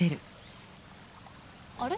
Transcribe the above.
あれ？